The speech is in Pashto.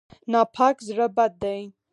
ناپاک زړه بد دی.